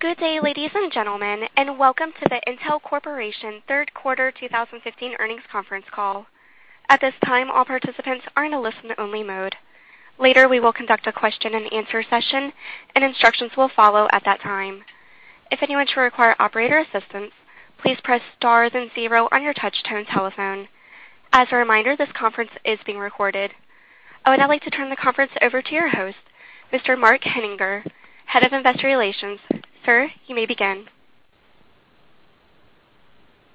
Good day, ladies and gentlemen, and welcome to the Intel Corporation third quarter 2015 earnings conference call. At this time, all participants are in a listen-only mode. Later, we will conduct a question and answer session, and instructions will follow at that time. If anyone should require operator assistance, please press stars and zero on your touchtone telephone. As a reminder, this conference is being recorded. I would now like to turn the conference over to your host, Mr. Mark Henninger, Head of Investor Relations. Sir, you may begin.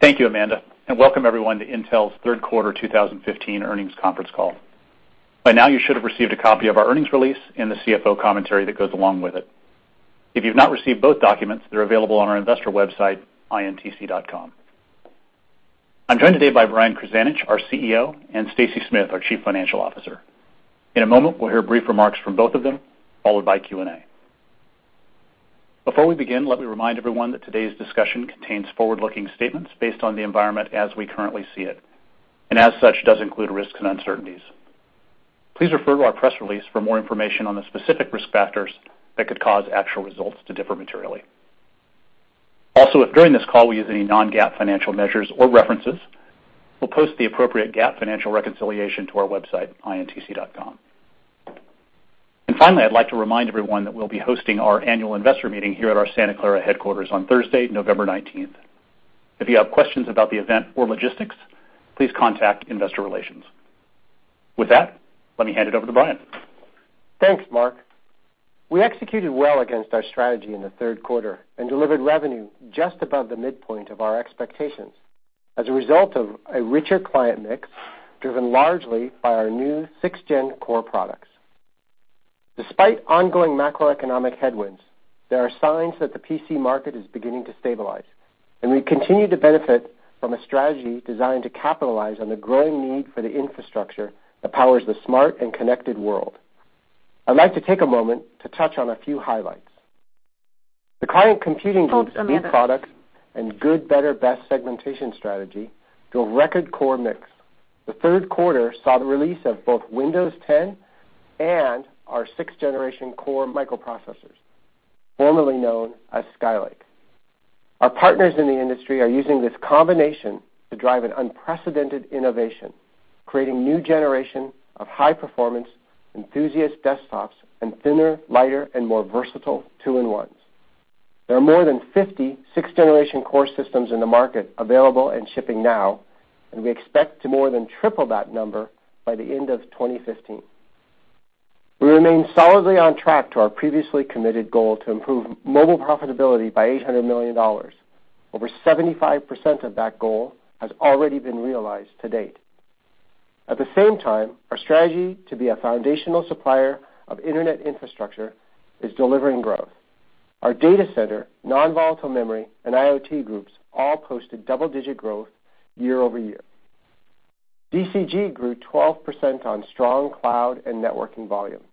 Thank you, Amanda, and welcome everyone to Intel's third quarter 2015 earnings conference call. By now, you should have received a copy of our earnings release and the CFO commentary that goes along with it. If you've not received both documents, they're available on our investor website, intc.com. I'm joined today by Brian Krzanich, our CEO, and Stacy Smith, our Chief Financial Officer. In a moment, we'll hear brief remarks from both of them, followed by Q&A. Before we begin, let me remind everyone that today's discussion contains forward-looking statements based on the environment as we currently see it, and as such, does include risks and uncertainties. Please refer to our press release for more information on the specific risk factors that could cause actual results to differ materially. Also, if during this call we use any non-GAAP financial measures or references, we'll post the appropriate GAAP financial reconciliation to our website, intc.com. Finally, I'd like to remind everyone that we'll be hosting our annual investor meeting here at our Santa Clara headquarters on Thursday, November 19th. If you have questions about the event or logistics, please contact investor relations. With that, let me hand it over to Brian. Thanks, Mark. We executed well against our strategy in the third quarter and delivered revenue just above the midpoint of our expectations as a result of a richer client mix, driven largely by our new 6th Gen Core products. Despite ongoing macroeconomic headwinds, there are signs that the PC market is beginning to stabilize, and we continue to benefit from a strategy designed to capitalize on the growing need for the infrastructure that powers the smart and connected world. I'd like to take a moment to touch on a few highlights. The Client Computing Group's new product and good better best segmentation strategy drove record core mix. The third quarter saw the release of both Windows 10 and our 6th Generation Core microprocessors, formerly known as Skylake. Our partners in the industry are using this combination to drive an unprecedented innovation, creating new generation of high-performance enthusiast desktops and thinner, lighter, and more versatile two-in-ones. There are more than 50 6th Generation Core systems in the market available and shipping now, we expect to more than triple that number by the end of 2015. We remain solidly on track to our previously committed goal to improve mobile profitability by $800 million. Over 75% of that goal has already been realized to date. At the same time, our strategy to be a foundational supplier of internet infrastructure is delivering growth. Our Data Center, non-volatile memory, and IoT groups all posted double-digit growth year-over-year. DCG grew 12% on strong cloud and networking volume.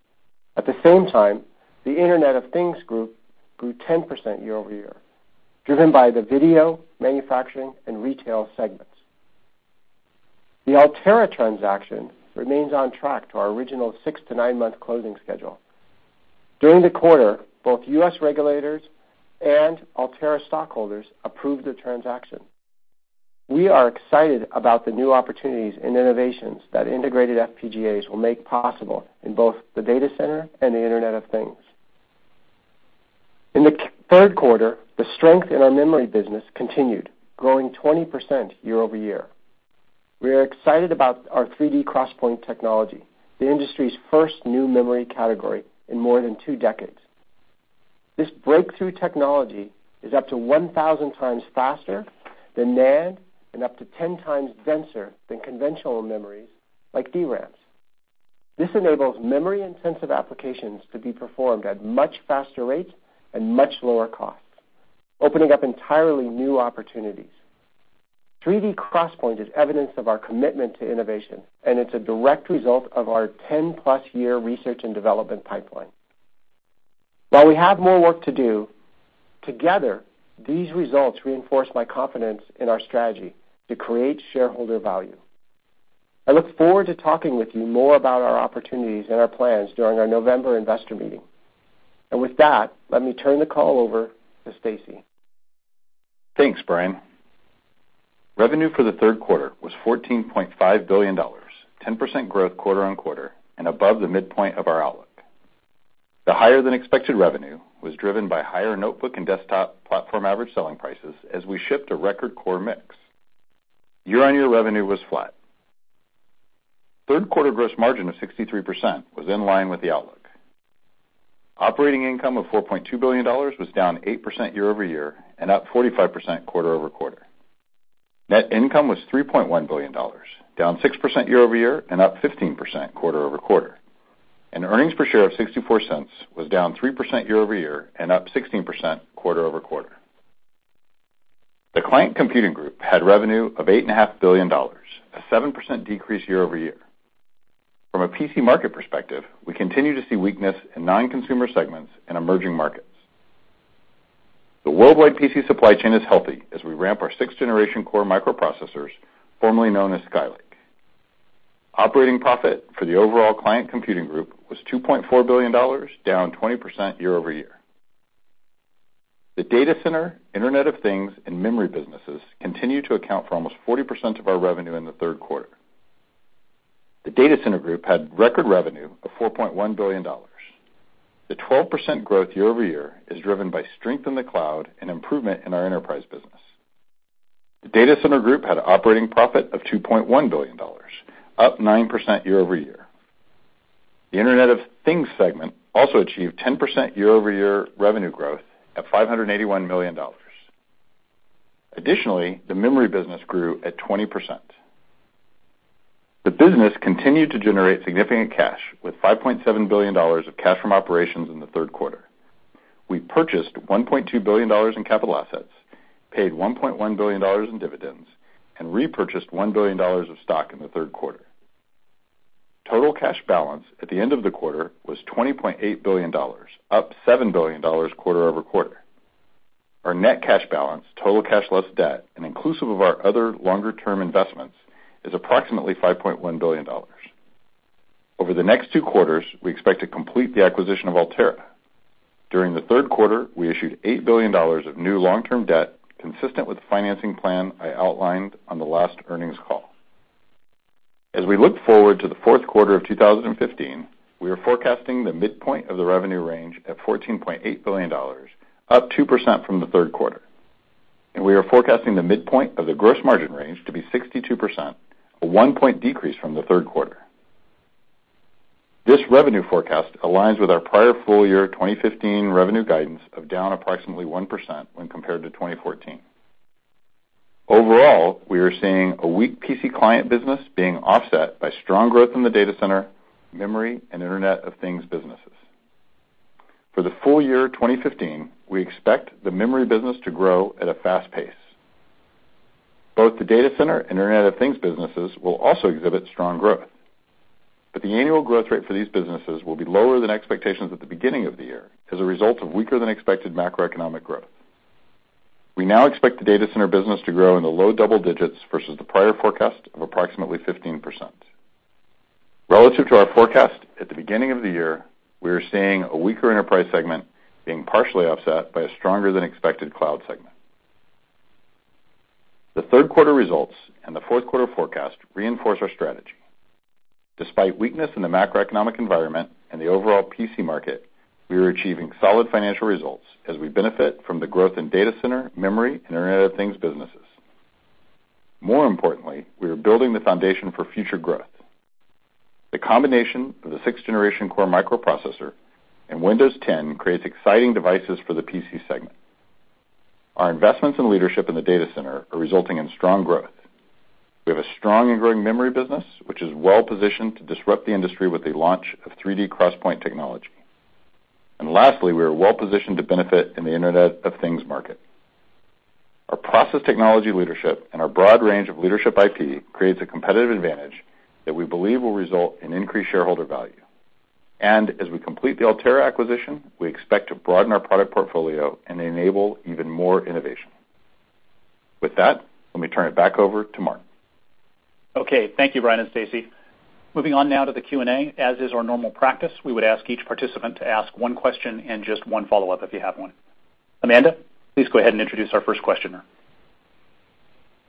At the same time, the Internet of Things group grew 10% year-over-year, driven by the video, manufacturing, and retail segments. The Altera transaction remains on track to our original six to nine-month closing schedule. During the quarter, both U.S. regulators and Altera stockholders approved the transaction. We are excited about the new opportunities and innovations that integrated FPGAs will make possible in both the Data Center and the Internet of Things. In the third quarter, the strength in our memory business continued, growing 20% year-over-year. We are excited about our 3D XPoint technology, the industry's first new memory category in more than two decades. This breakthrough technology is up to 1,000 times faster than NAND and up to ten times denser than conventional memories like DRAMs. This enables memory-intensive applications to be performed at much faster rates and much lower costs, opening up entirely new opportunities. 3D XPoint is evidence of our commitment to innovation, and it's a direct result of our 10-plus year research and development pipeline. While we have more work to do, together, these results reinforce my confidence in our strategy to create shareholder value. I look forward to talking with you more about our opportunities and our plans during our November investor meeting. With that, let me turn the call over to Stacy. Thanks, Brian. Revenue for the third quarter was $14.5 billion, 10% growth quarter-on-quarter, above the midpoint of our outlook. The higher-than-expected revenue was driven by higher notebook and desktop platform average selling prices as we shipped a record core mix. Year-on-year revenue was flat. Third quarter gross margin of 63% was in line with the outlook. Operating income of $4.2 billion was down 8% year-over-year, up 45% quarter-over-quarter. Net income was $3.1 billion, down 6% year-over-year, up 15% quarter-over-quarter. Earnings per share of $0.64 was down 3% year-over-year, up 16% quarter-over-quarter. The Client Computing Group had revenue of $8.5 billion, a 7% decrease year-over-year. From a PC market perspective, we continue to see weakness in non-consumer segments in emerging markets. The worldwide PC supply chain is healthy as we ramp our 6th Generation Core microprocessors, formerly known as Skylake. Operating profit for the overall Client Computing Group was $2.4 billion, down 20% year-over-year. The Data Center, Internet of Things, and Memory businesses continue to account for almost 40% of our revenue in the third quarter. The Data Center Group had record revenue of $4.1 billion. The 12% growth year-over-year is driven by strength in the cloud and improvement in our enterprise business. The Data Center Group had operating profit of $2.1 billion, up 9% year-over-year. The Internet of Things segment also achieved 10% year-over-year revenue growth at $581 million. Additionally, the Memory business grew at 20%. The business continued to generate significant cash, with $5.7 billion of cash from operations in the third quarter. We purchased $1.2 billion in capital assets, paid $1.1 billion in dividends, and repurchased $1 billion of stock in the third quarter. Total cash balance at the end of the quarter was $20.8 billion, up $7 billion quarter-over-quarter. Our net cash balance, total cash less debt, and inclusive of our other longer-term investments, is approximately $5.1 billion. Over the next two quarters, we expect to complete the acquisition of Altera. During the third quarter, we issued $8 billion of new long-term debt consistent with the financing plan I outlined on the last earnings call. As we look forward to the fourth quarter of 2015, we are forecasting the midpoint of the revenue range at $14.8 billion, up 2% from the third quarter, and we are forecasting the midpoint of the gross margin range to be 62%, a one-point decrease from the third quarter. This revenue forecast aligns with our prior full-year 2015 revenue guidance of down approximately 1% when compared to 2014. Overall, we are seeing a weak PC client business being offset by strong growth in the Data Center, Memory, and Internet of Things businesses. For the full-year 2015, we expect the Memory business to grow at a fast pace. Both the Data Center and Internet of Things businesses will also exhibit strong growth. The annual growth rate for these businesses will be lower than expectations at the beginning of the year as a result of weaker than expected macroeconomic growth. We now expect the Data Center business to grow in the low double digits versus the prior forecast of approximately 15%. Relative to our forecast at the beginning of the year, we are seeing a weaker enterprise segment being partially offset by a stronger than expected cloud segment. The third quarter results and the fourth quarter forecast reinforce our strategy. Despite weakness in the macroeconomic environment and the overall PC market, we are achieving solid financial results as we benefit from the growth in Data Center, Memory, and Internet of Things businesses. More importantly, we are building the foundation for future growth. The combination of the 6th Generation Core microprocessor and Windows 10 creates exciting devices for the PC segment. Our investments and leadership in the Data Center are resulting in strong growth. We have a strong and growing Memory business, which is well-positioned to disrupt the industry with the launch of 3D XPoint technology. Lastly, we are well-positioned to benefit in the Internet of Things market. Our process technology leadership and our broad range of leadership IP creates a competitive advantage that we believe will result in increased shareholder value. As we complete the Altera acquisition, we expect to broaden our product portfolio and enable even more innovation. With that, let me turn it back over to Mark. Okay. Thank you, Brian and Stacy. Moving on now to the Q&A. As is our normal practice, we would ask each participant to ask one question and just one follow-up if you have one. Amanda, please go ahead and introduce our first questioner.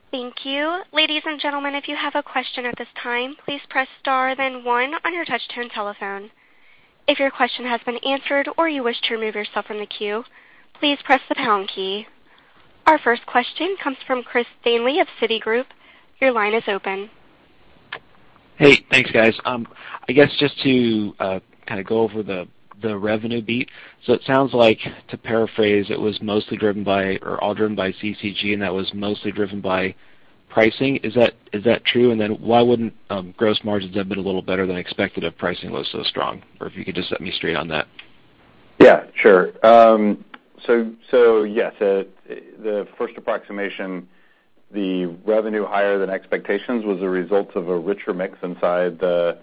Thank you. Ladies and gentlemen, if you have a question at this time, please press star then one on your touchtone telephone. If your question has been answered or you wish to remove yourself from the queue, please press the pound key. Our first question comes from Chris Danely of Citigroup. Your line is open. Hey, thanks, guys. I guess just to go over the revenue beat. It sounds like, to paraphrase, it was mostly driven by or all driven by CCG, and that was mostly driven by pricing. Is that true? Then why wouldn't gross margins have been a little better than expected if pricing was so strong? If you could just set me straight on that. Yeah, sure. Yes, the first approximation, the revenue higher than expectations was a result of a richer mix inside the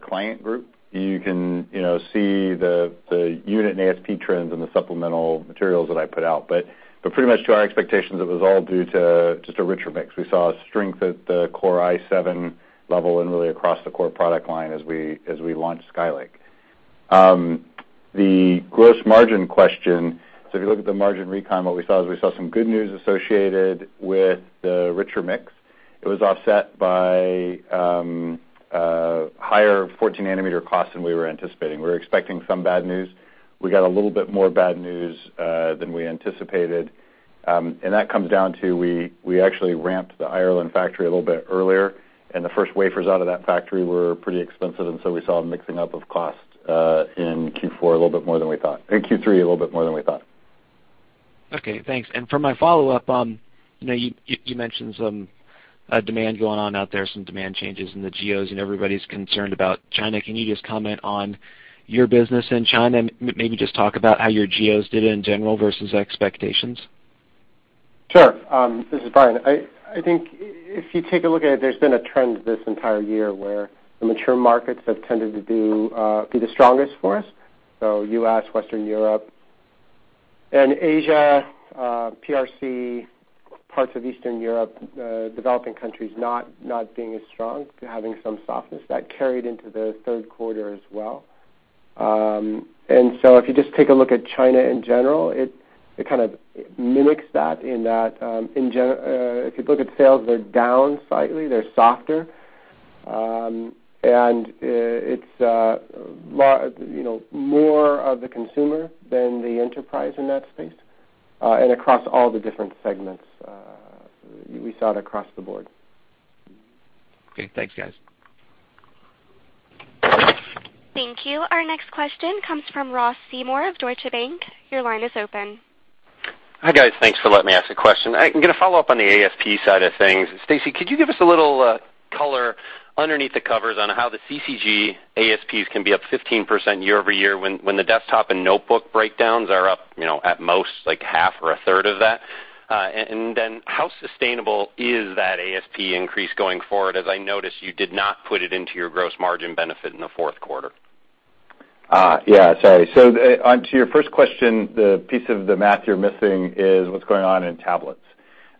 Client Group. You can see the unit and ASP trends in the supplemental materials that I put out. Pretty much to our expectations, it was all due to just a richer mix. We saw a strength at the Core i7 level and really across the core product line as we launched Skylake. The gross margin question, if you look at the margin recon, what we saw is we saw some good news associated with the richer mix. It was offset by higher 14-nanometer costs than we were anticipating. We were expecting some bad news. We got a little bit more bad news than we anticipated. That comes down to we actually ramped the Ireland factory a little bit earlier, and the first wafers out of that factory were pretty expensive. We saw a mixing up of cost in Q4 a little bit more than we thought in Q3, a little bit more than we thought. Okay, thanks. For my follow-up, you mentioned some demand going on out there, some demand changes in the geos, and everybody's concerned about China. Can you just comment on your business in China and maybe just talk about how your geos did in general versus expectations? Sure. This is Brian. I think if you take a look at it, there's been a trend this entire year where the mature markets have tended to be the strongest for us, so U.S., Western Europe, and Asia, PRC, parts of Eastern Europe, developing countries not being as strong, having some softness. That carried into the third quarter as well. If you just take a look at China in general, it kind of mimics that, in that, if you look at sales, they're down slightly. They're softer. It's more of the consumer than the enterprise in that space, and across all the different segments. We saw it across the board. Okay, thanks guys. Thank you. Our next question comes from Ross Seymore of Deutsche Bank. Your line is open. Hi, guys. Thanks for letting me ask a question. I'm gonna follow up on the ASP side of things. Stacy, could you give us a little color underneath the covers on how the CCG ASPs can be up 15% year-over-year when the desktop and notebook breakdowns are up at most, like half or a third of that? How sustainable is that ASP increase going forward, as I noticed you did not put it into your gross margin benefit in the fourth quarter? Yeah, sorry. To your first question, the piece of the math you're missing is what's going on in tablets.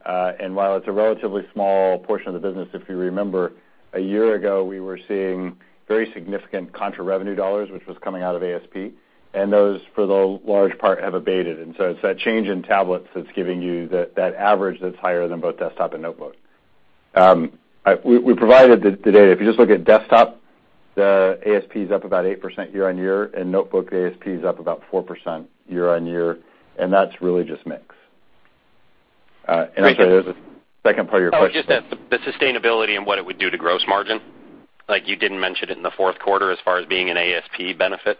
While it's a relatively small portion of the business, if you remember, a year ago, we were seeing very significant contra revenue dollars, which was coming out of ASP, those, for the large part, have abated. It's that change in tablets that's giving you that average that's higher than both desktop and notebook. We provided the data. If you just look at desktop, the ASP is up about 8% year-on-year, and notebook ASP is up about 4% year-on-year, and that's really just mix. I'll tell you the second part of your question. It's just the sustainability and what it would do to gross margin. Like you didn't mention it in the fourth quarter as far as being an ASP benefit.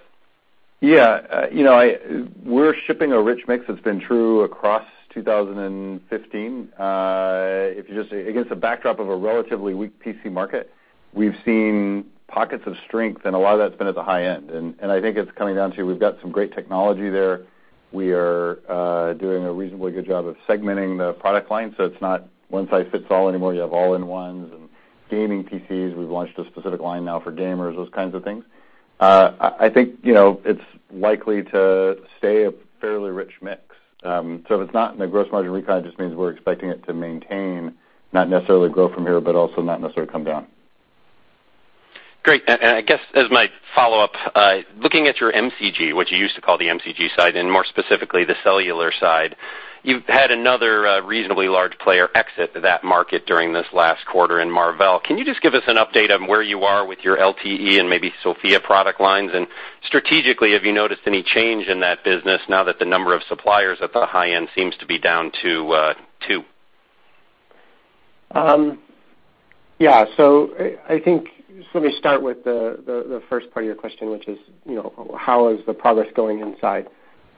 We're shipping a rich mix that's been true across 2015. Against a backdrop of a relatively weak PC market, we've seen pockets of strength, and a lot of that's been at the high end. I think it's coming down to, we've got some great technology there. We are doing a reasonably good job of segmenting the product line, it's not one size fits all anymore. You have all-in-ones and gaming PCs. We've launched a specific line now for gamers, those kinds of things. I think, it's likely to stay a fairly rich mix. If it's not in the gross margin recon, it just means we're expecting it to maintain, not necessarily grow from here, but also not necessarily come down. I guess as my follow-up, looking at your MCG, what you used to call the MCG side, and more specifically, the cellular side, you've had another reasonably large player exit that market during this last quarter in Marvell Technology. Can you just give us an update on where you are with your LTE and maybe SoFIA product lines? Strategically, have you noticed any change in that business now that the number of suppliers at the high end seems to be down to two? I think, just let me start with the first part of your question, which is, how is the progress going inside?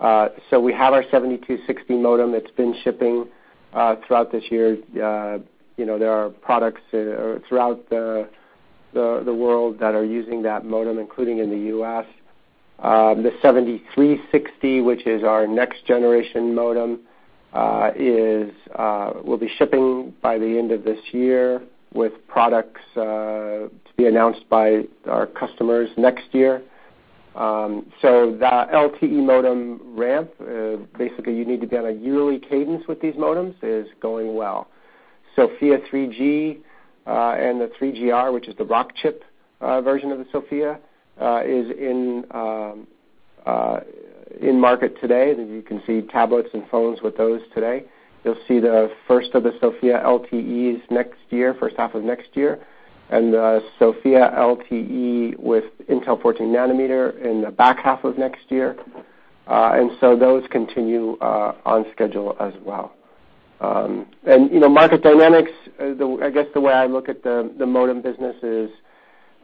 We have our 7260 modem that's been shipping throughout this year. There are products throughout the world that are using that modem, including in the U.S. The 7360, which is our next generation modem, will be shipping by the end of this year, with products to be announced by our customers next year. The LTE modem ramp, basically, you need to be on a yearly cadence with these modems, is going well. SoFIA 3G, and the SoFIA 3GR, which is the Rockchip version of the SoFIA, is in market today. You can see tablets and phones with those today. You'll see the first of the SoFIA LTEs next year, first half of next year, the SoFIA LTE with Intel 14-nanometer in the back half of next year. Those continue on schedule as well. Market dynamics, I guess the way I look at the modem business is,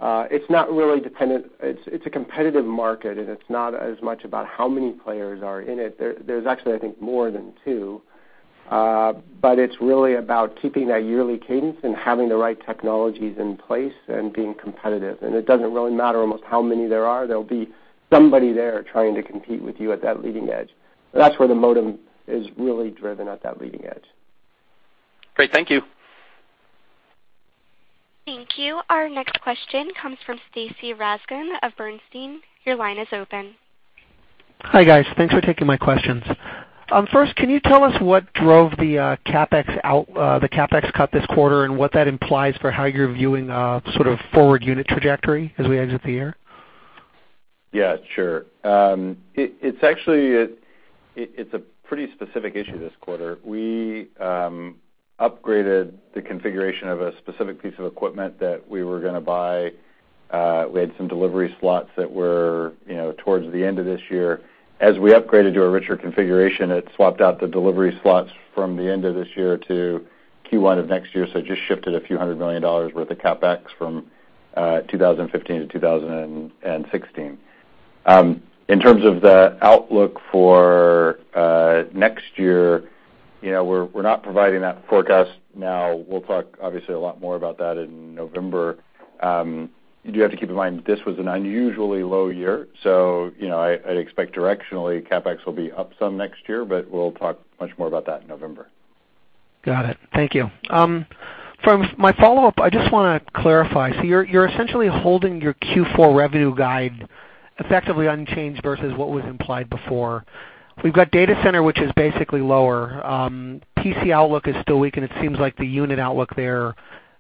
it's a competitive market, it's not as much about how many players are in it. There's actually, I think, more than two. It's really about keeping that yearly cadence and having the right technologies in place and being competitive. It doesn't really matter almost how many there are. There'll be somebody there trying to compete with you at that leading edge. That's where the modem is really driven at that leading edge. Great. Thank you. Thank you. Our next question comes from Stacy Rasgon of Bernstein. Your line is open. Hi, guys. Thanks for taking my questions. First, can you tell us what drove the CapEx cut this quarter, what that implies for how you're viewing sort of forward unit trajectory as we exit the year? Yeah, sure. It's a pretty specific issue this quarter. We upgraded the configuration of a specific piece of equipment that we were gonna buy. We had some delivery slots that were towards the end of this year. As we upgraded to a richer configuration, it swapped out the delivery slots from the end of this year to Q1 of next year, it just shifted a few hundred million dollars worth of CapEx from 2015 to 2016. In terms of the outlook for next year, we're not providing that forecast now. We'll talk obviously a lot more about that in November. You do have to keep in mind that this was an unusually low year, I'd expect directionally, CapEx will be up some next year, but we'll talk much more about that in November. Got it. Thank you. For my follow-up, I just want to clarify. You're essentially holding your Q4 revenue guide effectively unchanged versus what was implied before. We've got data center, which is basically lower. PC outlook is still weak, and it seems like the unit outlook there may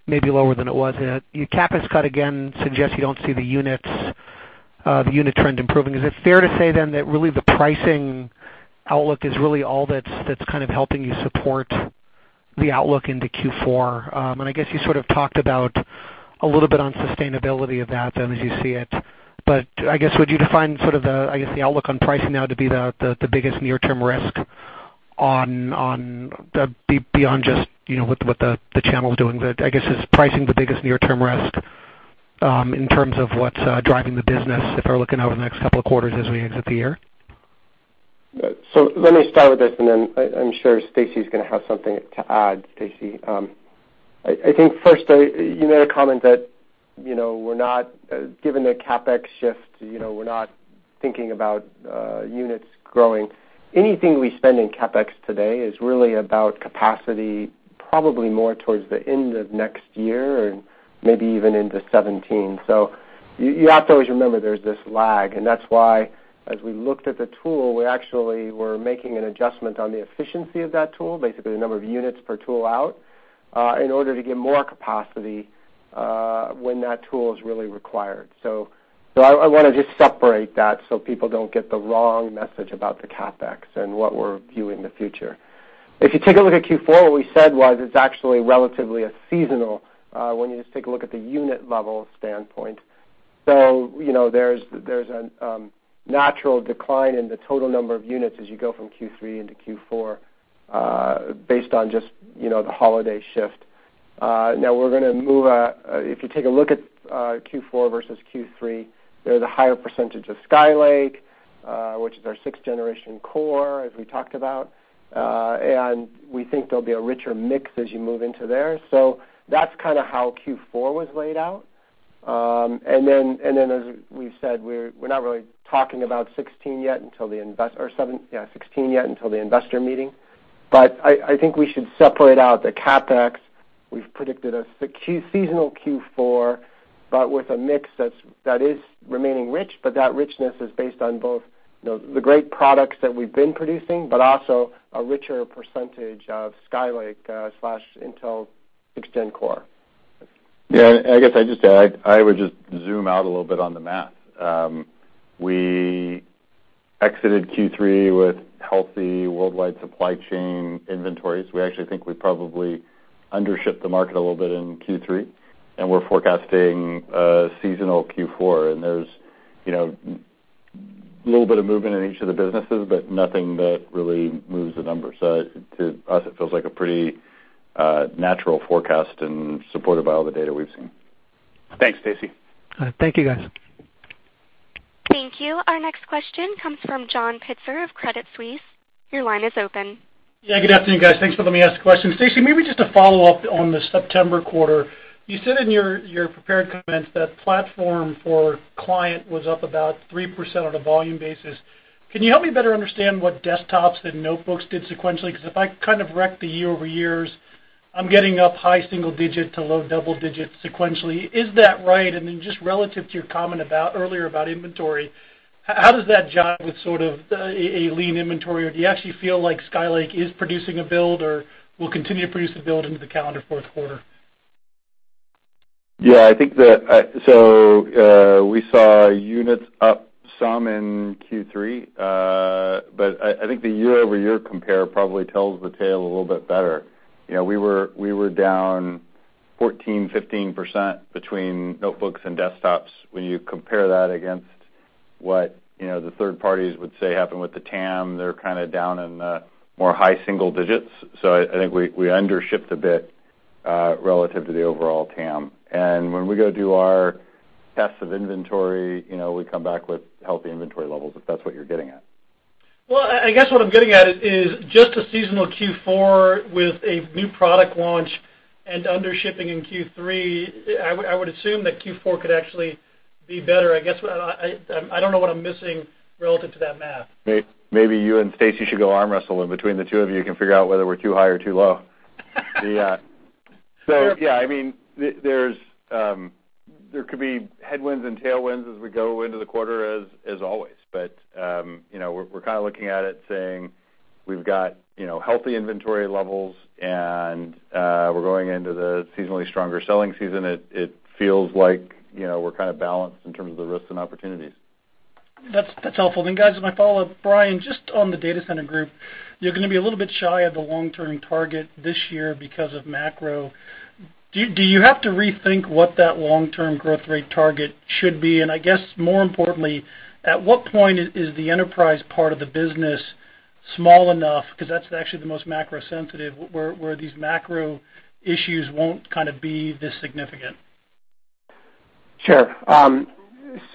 be lower than it was. Your CapEx cut, again, suggests you don't see the unit trend improving. Is it fair to say then that really the pricing outlook is really all that's kind of helping you support the outlook into Q4? I guess you sort of talked about a little bit on sustainability of that then as you see it. I guess, would you define sort of the, I guess, the outlook on pricing now to be the biggest near-term risk beyond just what the channel's doing? I guess, is pricing the biggest near-term risk in terms of what's driving the business if we're looking out over the next couple of quarters as we exit the year? Let me start with this, and then I'm sure Stacy's going to have something to add. Stacy. I think first, you made a comment that, given the CapEx shift, we're not thinking about units growing. Anything we spend in CapEx today is really about capacity, probably more towards the end of next year or maybe even into '17. You have to always remember there's this lag, that's why, as we looked at the tool, we actually were making an adjustment on the efficiency of that tool, basically the number of units per tool out, in order to get more capacity when that tool is really required. I want to just separate that so people don't get the wrong message about the CapEx and what we're viewing the future. If you take a look at Q4, what we said was it's actually relatively a seasonal, when you just take a look at the unit level standpoint. There's a natural decline in the total number of units as you go from Q3 into Q4, based on just the holiday shift. If you take a look at Q4 versus Q3, there's a higher percentage of Skylake, which is our 6th Generation Core, as we talked about. We think there'll be a richer mix as you move into there. That's kind of how Q4 was laid out. As we've said, we're not really talking about 2016 yet until the investor meeting. I think we should separate out the CapEx. We've predicted a seasonal Q4, with a mix that is remaining rich, but that richness is based on both the great products that we've been producing, but also a richer percentage of Skylake/Intel 6th-gen Core. I guess I would just zoom out a little bit on the math. We exited Q3 with healthy worldwide supply chain inventories. We actually think we probably undershipped the market a little bit in Q3, and we're forecasting a seasonal Q4, and there's little bit of movement in each of the businesses, but nothing that really moves the numbers. To us, it feels like a pretty natural forecast and supported by all the data we've seen. Thanks, Stacy. All right. Thank you, guys. Thank you. Our next question comes from John Pitzer of Credit Suisse. Your line is open. Yeah, good afternoon, guys. Thanks for letting me ask a question. Stacy, maybe just a follow-up on the September quarter. You said in your prepared comments that platform for client was up about 3% on a volume basis. Can you help me better understand what desktops and notebooks did sequentially? Because if I kind of wreck the year-over-year, I'm getting up high single-digit to low double-digit sequentially. Is that right? Then just relative to your comment earlier about inventory, how does that jive with sort of a lean inventory? Or do you actually feel like Skylake is producing a build or will continue to produce a build into the calendar fourth quarter? Yeah, we saw units up some in Q3, but I think the year-over-year compare probably tells the tale a little bit better. We were down 14%, 15% between notebooks and desktops. When you compare that against what the third parties would say happened with the TAM, they're kind of down in the more high single-digits. I think we undershipped a bit relative to the overall TAM. When we go do our tests of inventory, we come back with healthy inventory levels, if that's what you're getting at. Well, I guess what I'm getting at is just a seasonal Q4 with a new product launch and undershipping in Q3, I would assume that Q4 could actually be better. I guess I don't know what I'm missing relative to that math. Maybe you and Stacy should go arm wrestle, and between the two of you can figure out whether we're too high or too low. Yeah, there could be headwinds and tailwinds as we go into the quarter, as always. We're kind of looking at it saying we've got healthy inventory levels, and we're going into the seasonally stronger selling season. It feels like we're kind of balanced in terms of the risks and opportunities. That's helpful. Guys, my follow-up. Brian, just on the Data Center Group, you're going to be a little bit shy of the long-term target this year because of macro. Do you have to rethink what that long-term growth rate target should be? I guess more importantly, at what point is the enterprise part of the business small enough, because that's actually the most macro sensitive, where these macro issues won't kind of be this significant? Sure. I'm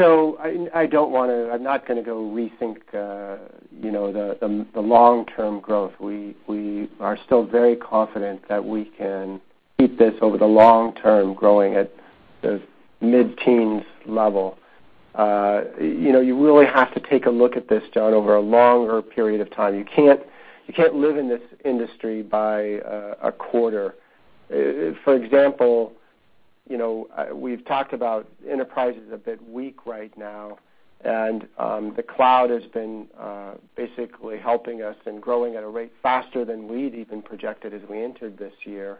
not going to go rethink the long-term growth. We are still very confident that we can keep this over the long term growing at the mid-teens level. You really have to take a look at this, John, over a longer period of time. You can't live in this industry by a quarter. For example, we've talked about enterprise is a bit weak right now, the cloud has been basically helping us and growing at a rate faster than we'd even projected as we entered this year.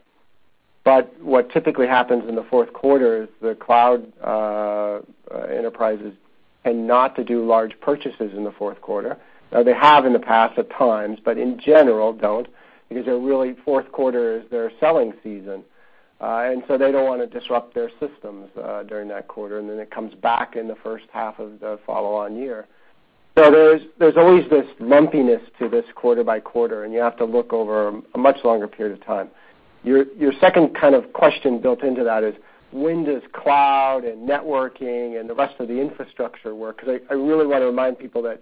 What typically happens in the fourth quarter is the cloud enterprises tend not to do large purchases in the fourth quarter. They have in the past at times, but in general, don't, because fourth quarter is their selling season. They don't want to disrupt their systems during that quarter, then it comes back in the first half of the follow-on year. There's always this lumpiness to this quarter by quarter, and you have to look over a much longer period of time. Your second kind of question built into that is, when does cloud and networking and the rest of the infrastructure work? I really want to remind people that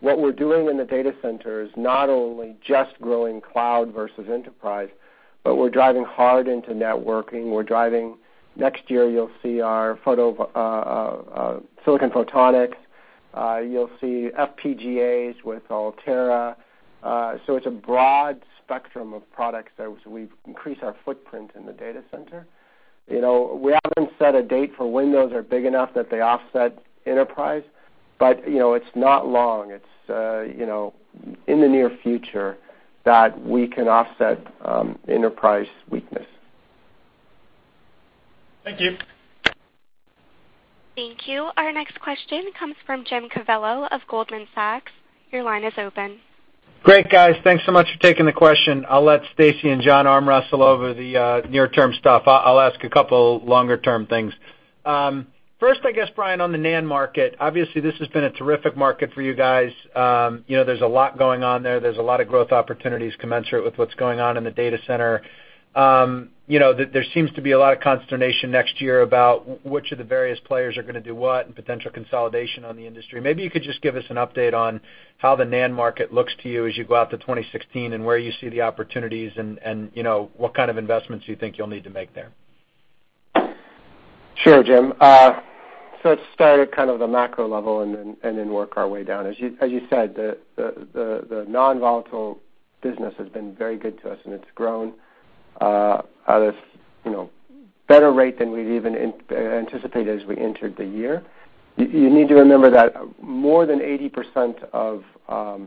what we're doing in the data center is not only just growing cloud versus enterprise, but we're driving hard into networking. Next year, you'll see our silicon photonics. You'll see FPGAs with Altera. It's a broad spectrum of products as we increase our footprint in the data center. We haven't set a date for when those are big enough that they offset enterprise, but it's not long. It's in the near future that we can offset enterprise weakness. Thank you. Thank you. Our next question comes from Jim Covello of Goldman Sachs. Your line is open. Great, guys. Thanks so much for taking the question. I'll let Stacy and John arm wrestle over the near-term stuff. I'll ask a couple longer-term things. First, I guess, Brian, on the NAND market, obviously, this has been a terrific market for you guys. There's a lot going on there. There's a lot of growth opportunities commensurate with what's going on in the data center. There seems to be a lot of consternation next year about which of the various players are going to do what and potential consolidation on the industry. Maybe you could just give us an update on how the NAND market looks to you as you go out to 2016, and where you see the opportunities, and what kind of investments you think you'll need to make there. Sure, Jim. Let's start at kind of the macro level and then work our way down. As you said, the non-volatile business has been very good to us, and it's grown at a better rate than we'd even anticipated as we entered the year. You need to remember that more than 80% of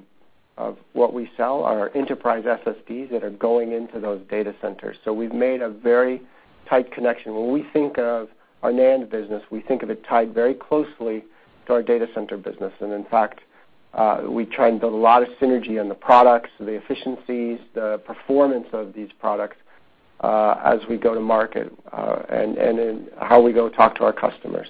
what we sell are enterprise SSDs that are going into those data centers. We've made a very tight connection. When we think of our NAND business, we think of it tied very closely to our data center business. In fact, we try and build a lot of synergy on the products, the efficiencies, the performance of these products as we go to market, and in how we go talk to our customers.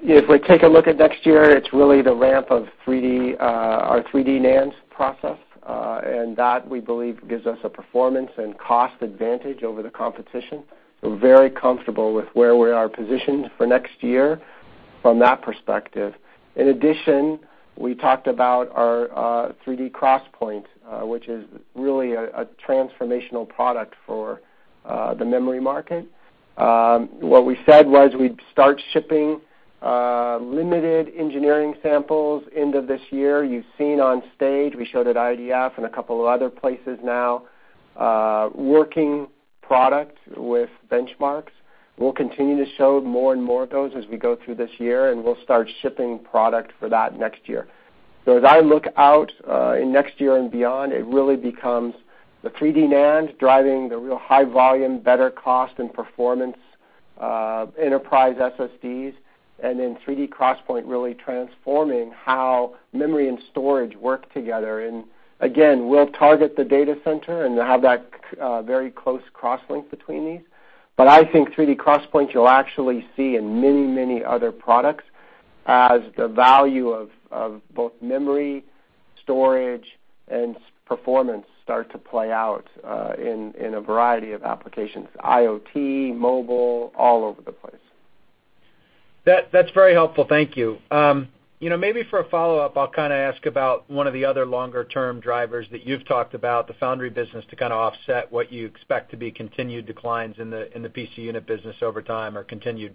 If we take a look at next year, it's really the ramp of our 3D NAND process, and that, we believe, gives us a performance and cost advantage over the competition. We're very comfortable with where we are positioned for next year from that perspective. In addition, we talked about our 3D XPoint, which is really a transformational product for the memory market. What we said was we'd start shipping limited engineering samples end of this year. You've seen on stage, we showed at IDF and a couple of other places now, working product with benchmarks. We'll continue to show more and more of those as we go through this year, and we'll start shipping product for that next year. As I look out in next year and beyond, it really becomes the 3D NAND driving the real high volume, better cost and performance enterprise SSDs, then 3D XPoint really transforming how memory and storage work together. Again, we'll target the data center and have that very close cross-link between these. I think 3D XPoint, you'll actually see in many other products as the value of both memory, storage, and performance start to play out in a variety of applications, IoT, mobile, all over the place. That's very helpful. Thank you. Maybe for a follow-up, I'll ask about one of the other longer-term drivers that you've talked about, the foundry business, to kind of offset what you expect to be continued declines in the PC unit business over time or continued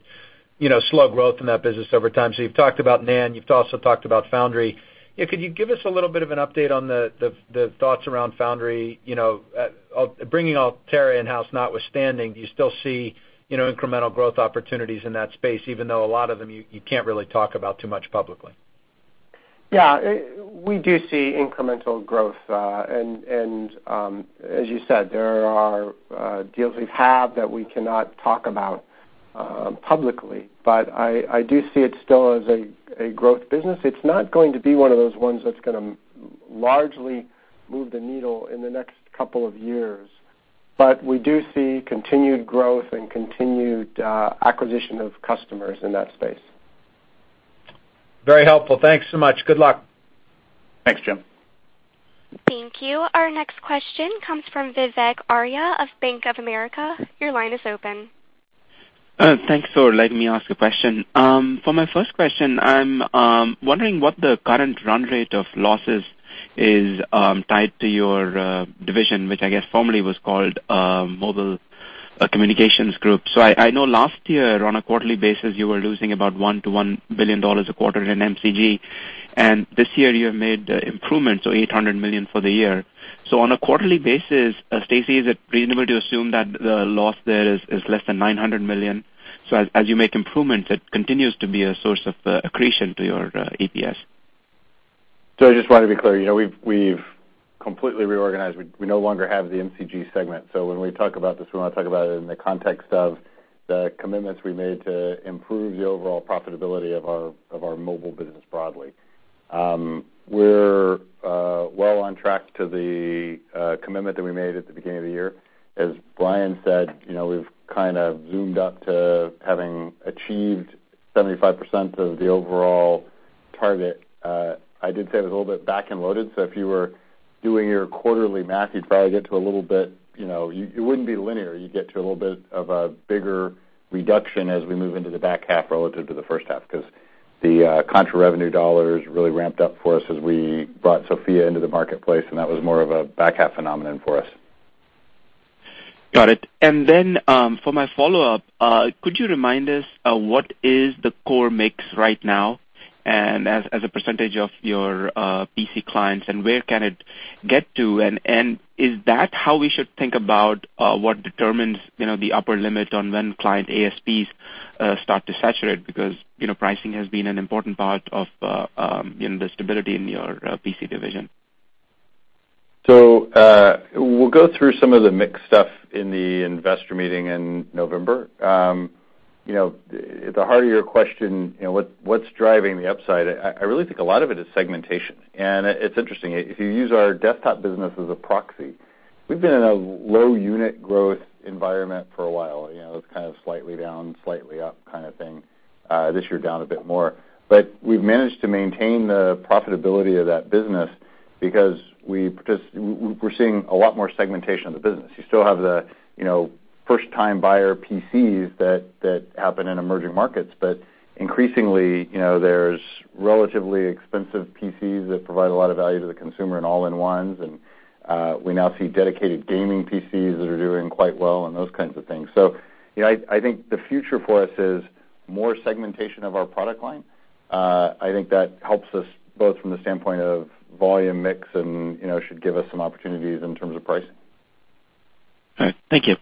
slow growth in that business over time. You've talked about NAND. You've also talked about foundry. Could you give us a little bit of an update on the thoughts around foundry? Bringing Altera in-house notwithstanding, do you still see incremental growth opportunities in that space, even though a lot of them you can't really talk about too much publicly? Yeah. We do see incremental growth, and as you said, there are deals we've had that we cannot talk about publicly. I do see it still as a growth business. It's not going to be one of those ones that's going to largely move the needle in the next couple of years. We do see continued growth and continued acquisition of customers in that space. Very helpful. Thanks so much. Good luck. Thanks, Jim. Thank you. Our next question comes from Vivek Arya of Bank of America. Your line is open. Thanks for letting me ask a question. For my first question, I'm wondering what the current run rate of losses is tied to your division, which I guess formerly was called Mobile Communications Group. I know last year, on a quarterly basis, you were losing about $1 to $1 billion a quarter in MCG. This year you have made improvements, $800 million for the year. On a quarterly basis, Stacy, is it reasonable to assume that the loss there is less than $900 million? As you make improvements, it continues to be a source of accretion to your EPS. I just want to be clear. We've completely reorganized. We no longer have the MCG segment. When we talk about this, we want to talk about it in the context of the commitments we made to improve the overall profitability of our mobile business broadly. We're well on track to the commitment that we made at the beginning of the year. As Brian said, we've kind of zoomed up to having achieved 75% of the overall target. I did say it was a little bit back end loaded, so if you were doing your quarterly math, it wouldn't be linear. You'd get to a little bit of a bigger reduction as we move into the back half relative to the first half, because the contra revenue dollars really ramped up for us as we brought SoFIA into the marketplace, and that was more of a back half phenomenon for us. Got it. For my follow-up, could you remind us what is the Core mix right now as a percentage of your PC clients, and where can it get to? Is that how we should think about what determines the upper limit on when client ASPs start to saturate? Because pricing has been an important part of the stability in your PC division. We'll go through some of the mix stuff in the investor meeting in November. The heart of your question, what's driving the upside? I really think a lot of it is segmentation. It's interesting. If you use our desktop business as a proxy, we've been in a low unit growth environment for a while. It's kind of slightly down, slightly up kind of thing. This year, down a bit more. We've managed to maintain the profitability of that business because we're seeing a lot more segmentation of the business. You still have the first-time buyer PCs that happen in emerging markets, but increasingly, there's relatively expensive PCs that provide a lot of value to the consumer and all-in-ones, and we now see dedicated gaming PCs that are doing quite well and those kinds of things. I think the future for us is more segmentation of our product line. I think that helps us both from the standpoint of volume mix and should give us some opportunities in terms of pricing. All right. Thank you.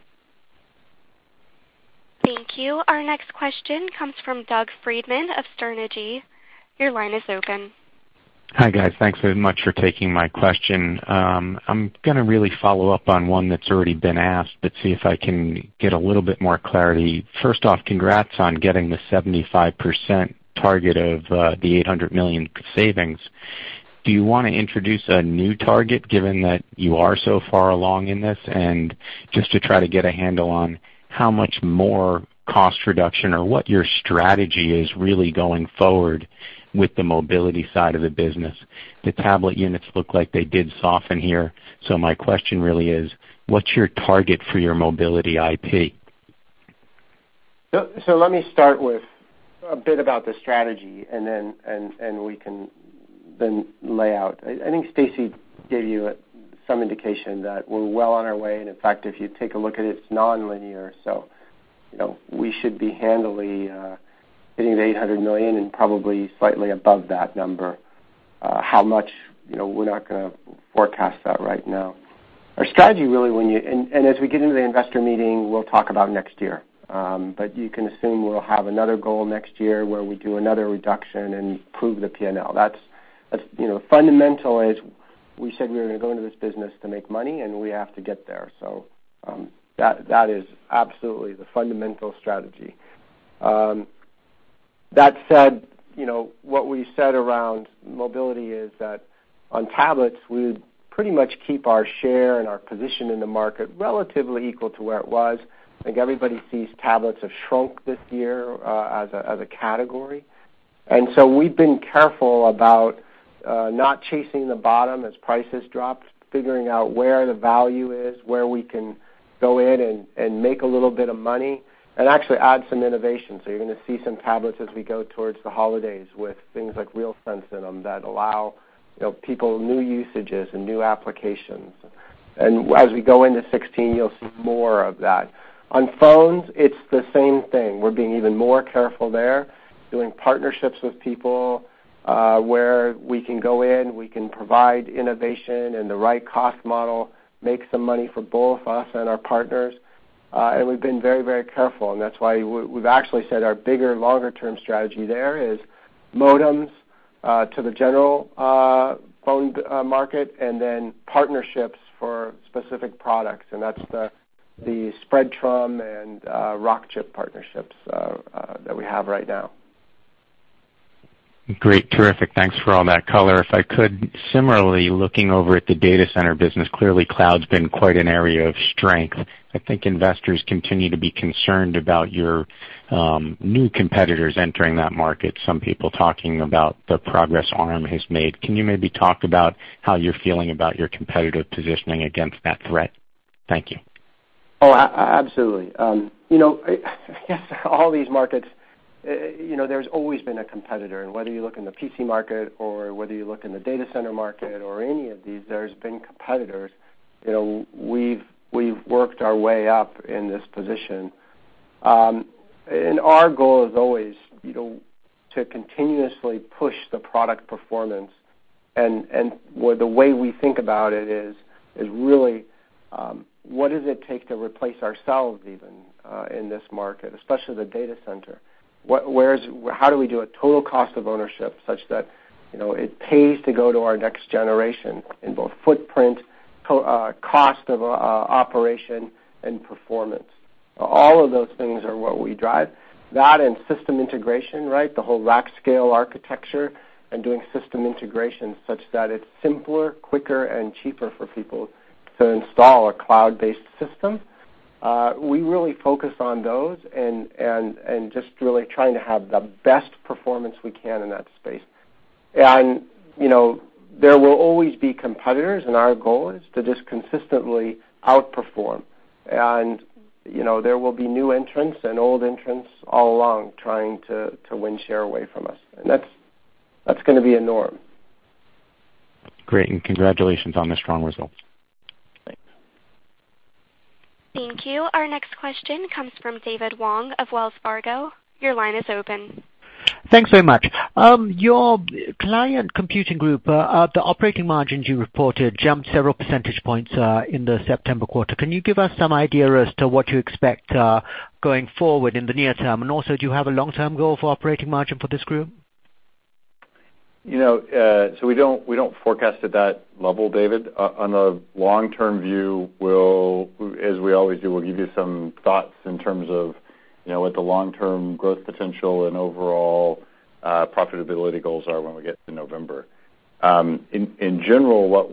Thank you. Our next question comes from Doug Freedman of Sterne Agee. Your line is open. Hi, guys. Thanks very much for taking my question. I'm going to really follow up on one that's already been asked, but see if I can get a little bit more clarity. First off, congrats on getting the 75% target of the $800 million savings. Do you want to introduce a new target given that you are so far along in this? Just to try to get a handle on how much more cost reduction or what your strategy is really going forward with the mobility side of the business. The tablet units look like they did soften here. My question really is: what's your target for your mobility IP? Let me start with a bit about the strategy, and we can then lay out. I think Stacy gave you some indication that we're well on our way, and in fact, if you take a look at it's non-linear. We should be handily hitting the $800 million and probably slightly above that number. How much? We're not going to forecast that right now. Our strategy, really, and as we get into the investor meeting, we'll talk about next year. You can assume we'll have another goal next year where we do another reduction and prove the P&L. Fundamental is we said we were going to go into this business to make money, and we have to get there. That is absolutely the fundamental strategy. That said, what we said around mobility is that on tablets, we would pretty much keep our share and our position in the market relatively equal to where it was. I think everybody sees tablets have shrunk this year as a category. We've been careful about not chasing the bottom as prices drop, figuring out where the value is, where we can go in and make a little bit of money and actually add some innovation. You're going to see some tablets as we go towards the holidays with things like RealSense in them that allow people new usages and new applications. As we go into 2016, you'll see more of that. On phones, it's the same thing. We're being even more careful there, doing partnerships with people where we can go in, we can provide innovation and the right cost model, make some money for both us and our partners. We've been very careful, and that's why we've actually said our bigger, longer-term strategy there is modems to the general phone market then partnerships for specific products. That's the Spreadtrum and Rockchip partnerships that we have right now. Great. Terrific. Thanks for all that color. If I could, similarly, looking over at the data center business, clearly cloud's been quite an area of strength. I think investors continue to be concerned about your new competitors entering that market, some people talking about the progress ARM has made. Can you maybe talk about how you're feeling about your competitive positioning against that threat? Thank you. Oh, absolutely. All these markets, there's always been a competitor, whether you look in the PC market or whether you look in the data center market or any of these, there's been competitors. We've worked our way up in this position. Our goal is always to continuously push the product performance, the way we think about it is really, what does it take to replace ourselves even in this market, especially the data center? How do we do a total cost of ownership such that it pays to go to our next generation in both footprint, cost of operation, and performance. All of those things are what we drive. That and system integration, right? The whole Rack Scale Design and doing system integration such that it's simpler, quicker, and cheaper for people to install a cloud-based system. We really focus on those and just really trying to have the best performance we can in that space. There will always be competitors, our goal is to just consistently outperform. There will be new entrants and old entrants all along trying to win share away from us. That's going to be a norm. Great. Congratulations on the strong results. Thanks. Thank you. Our next question comes from David Wong of Wells Fargo. Your line is open. Thanks very much. Your Client Computing Group, the operating margins you reported jumped several percentage points in the September quarter. Can you give us some idea as to what you expect going forward in the near term, also, do you have a long-term goal for operating margin for this group? We don't forecast at that level, David. On the long-term view, as we always do, we'll give you some thoughts in terms of what the long-term growth potential and overall profitability goals are when we get to November. In general, what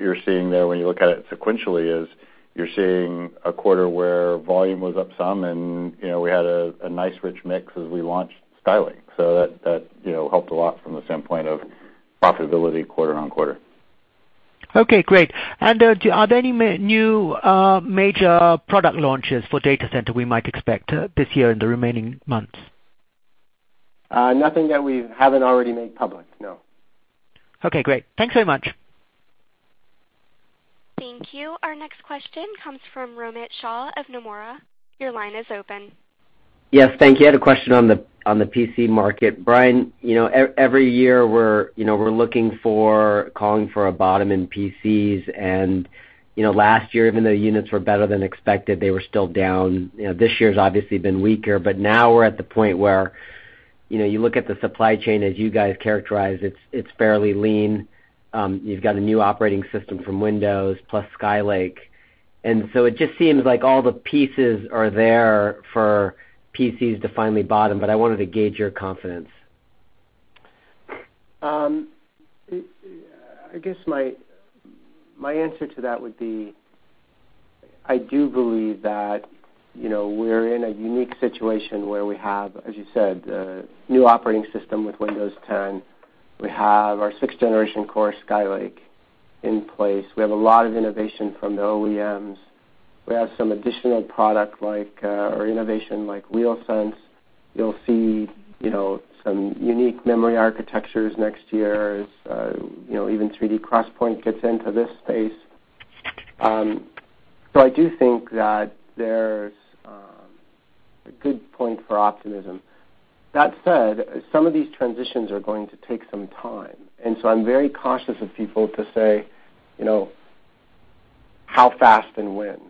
you're seeing there when you look at it sequentially is you're seeing a quarter where volume was up some, we had a nice rich mix as we launched Skylake. That helped a lot from the standpoint of profitability quarter on quarter. Okay, great. Are there any new major product launches for data center we might expect this year in the remaining months? Nothing that we haven't already made public, no. Okay, great. Thanks very much. Thank you. Our next question comes from Romit Shah of Nomura. Your line is open. Yes, thank you. I had a question on the PC market. Brian, every year we're looking for calling for a bottom in PCs, last year, even though units were better than expected, they were still down. This year's obviously been weaker, now we're at the point where you look at the supply chain as you guys characterize it's fairly lean. You've got a new operating system from Windows plus Skylake. It just seems like all the pieces are there for PCs to finally bottom, but I wanted to gauge your confidence. I guess my answer to that would be, I do believe that we're in a unique situation where we have, as you said, a new operating system with Windows 10. We have our sixth-generation Core Skylake in place. We have a lot of innovation from the OEMs. We have some additional product or innovation like RealSense. You'll see some unique memory architectures next year as even 3D XPoint gets into this space. I do think that there's a good point for optimism. That said, some of these transitions are going to take some time, I'm very cautious of people to say how fast and when.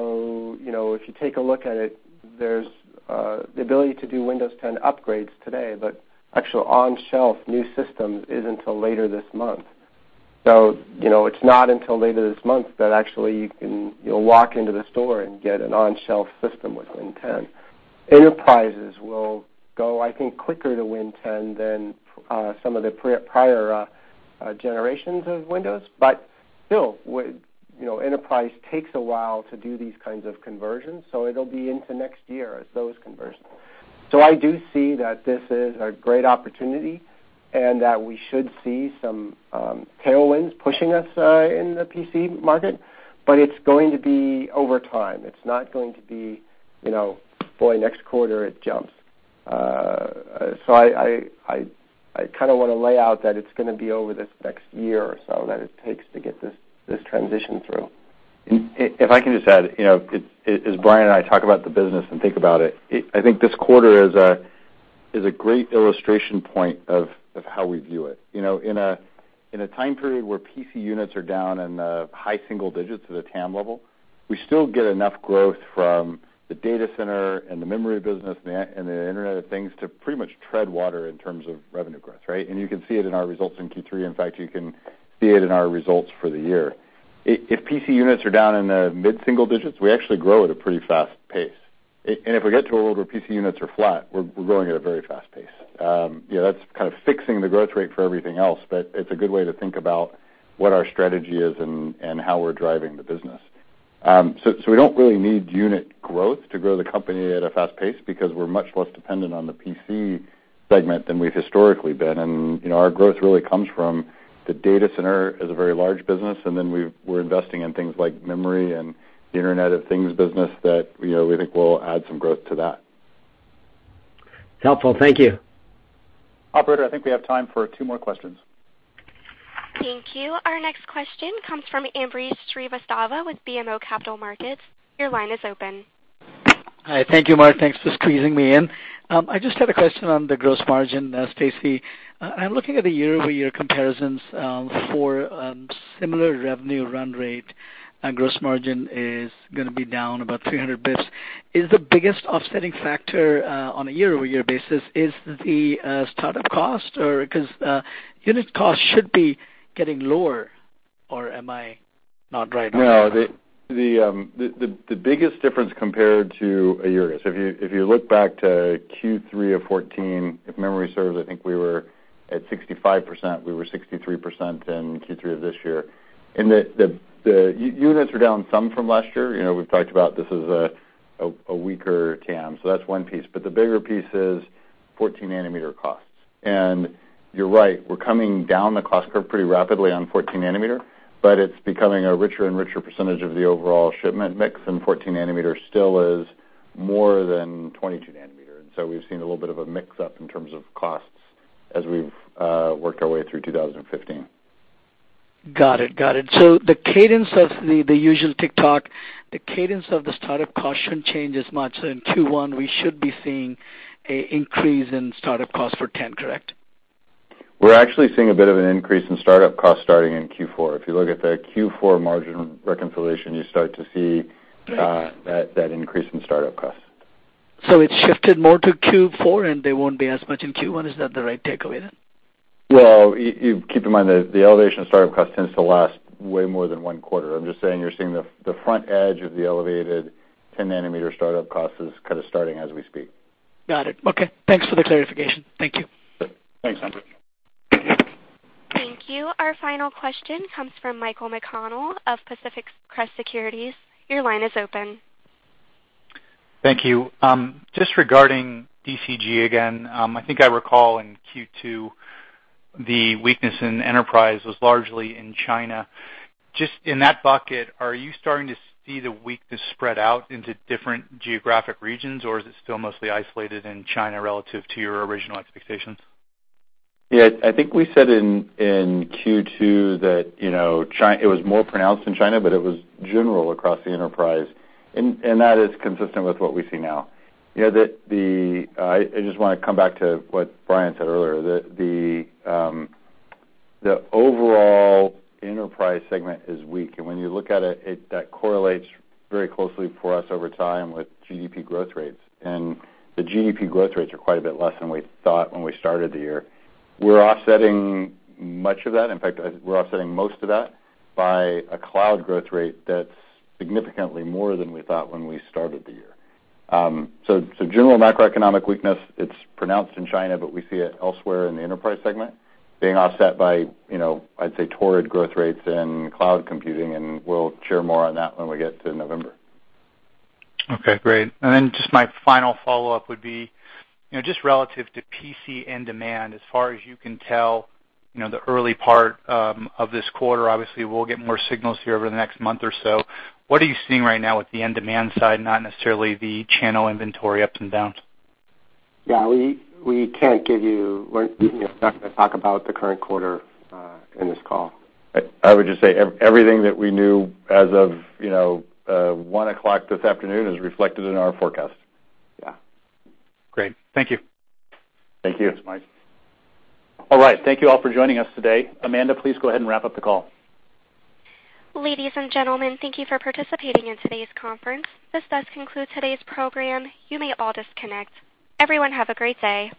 If you take a look at it, there's the ability to do Windows 10 upgrades today, actual on-shelf new systems isn't till later this month. It's not until later this month that actually you'll walk into the store and get an on-shelf system with Windows 10. Enterprises will go, I think, quicker to Windows 10 than some of the prior generations of Windows. Still, enterprise takes a while to do these kinds of conversions, it'll be into next year as those convert. I do see that this is a great opportunity and that we should see some tailwinds pushing us in the PC market, but it's going to be over time. It's not going to be, boy, next quarter it jumps. I want to lay out that it's going to be over this next year or so that it takes to get this transition through. If I can just add, as Brian and I talk about the business and think about it, I think this quarter is a great illustration point of how we view it. In a time period where PC units are down in the high single digits at a TAM level, we still get enough growth from the Data Center and the memory business and the Internet of Things to pretty much tread water in terms of revenue growth, right? You can see it in our results in Q3. In fact, you can see it in our results for the year. If PC units are down in the mid-single digits, we actually grow at a pretty fast pace. If we get to a world where PC units are flat, we're growing at a very fast pace. That's kind of fixing the growth rate for everything else, it's a good way to think about what our strategy is and how we're driving the business. We don't really need unit growth to grow the company at a fast pace because we're much less dependent on the PC segment than we've historically been, and our growth really comes from the Data Center is a very large business, and then we're investing in things like memory and the Internet of Things business that we think will add some growth to that. Helpful. Thank you. Operator, I think we have time for two more questions. Thank you. Our next question comes from Ambrish Srivastava with BMO Capital Markets. Your line is open. Hi. Thank you, Mark. Thanks for squeezing me in. I just had a question on the gross margin, Stacy. I'm looking at the year-over-year comparisons for similar revenue run rate. Gross margin is going to be down about 300 basis points. Is the biggest offsetting factor on a year-over-year basis is the startup cost? Unit cost should be getting lower, or am I not right on that? The biggest difference compared to a year ago, if you look back to Q3 of 2014, if memory serves, I think we were at 65%. We were 63% in Q3 of this year. The units are down some from last year. We've talked about this as a weaker TAM. That's one piece. The bigger piece is 14 nanometer costs. You're right, we're coming down the cost curve pretty rapidly on 14 nanometer. It's becoming a richer and richer percentage of the overall shipment mix. 14 nanometer still is more than 22 nanometer. We've seen a little bit of a mix-up in terms of costs as we've worked our way through 2015. Got it. The cadence of the usual tick-tock, the cadence of the startup cost shouldn't change as much. In Q1, we should be seeing an increase in startup costs for 10, correct? We're actually seeing a bit of an increase in startup costs starting in Q4. If you look at the Q4 margin reconciliation, you start to see that increase in startup costs. It shifted more to Q4, and there won't be as much in Q1. Is that the right takeaway then? Well, keep in mind that the elevation of startup cost tends to last way more than one quarter. I'm just saying you're seeing the front edge of the elevated 10 nanometer startup cost is kind of starting as we speak. Got it. Okay. Thanks for the clarification. Thank you. Thanks, Ambrish. Thank you. Our final question comes from Michael McConnell of Pacific Crest Securities. Your line is open. Thank you. Regarding DCG again, I think I recall in Q2, the weakness in enterprise was largely in China. In that bucket, are you starting to see the weakness spread out into different geographic regions, or is it still mostly isolated in China relative to your original expectations? Yeah, I think we said in Q2 that it was more pronounced in China. It was general across the enterprise, and that is consistent with what we see now. I want to come back to what Brian said earlier, that the overall enterprise segment is weak. When you look at it, that correlates very closely for us over time with GDP growth rates. The GDP growth rates are quite a bit less than we thought when we started the year. We're offsetting much of that. In fact, we're offsetting most of that by a cloud growth rate that's significantly more than we thought when we started the year. General macroeconomic weakness, it's pronounced in China. We see it elsewhere in the enterprise segment being offset by, I'd say, torrid growth rates in cloud computing. We'll share more on that when we get to November. Okay, great. Just my final follow-up would be, just relative to PC end demand, as far as you can tell, the early part of this quarter, obviously, we'll get more signals here over the next month or so. What are you seeing right now with the end demand side, not necessarily the channel inventory ups and downs? Yeah, we're not going to talk about the current quarter in this call. I would just say everything that we knew as of 1:00 P.M. this afternoon is reflected in our forecast. Yeah. Great. Thank you. Thank you. Thanks, Mike. All right. Thank you all for joining us today. Amanda, please go ahead and wrap up the call. Ladies and gentlemen, thank you for participating in today's conference. This does conclude today's program. You may all disconnect. Everyone, have a great day.